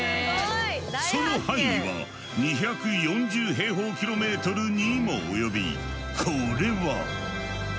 その範囲は２４０平方キロメートルにも及びこれは。